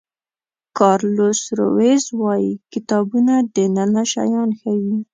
کارلوس رویز وایي کتابونه دننه شیان ښیي.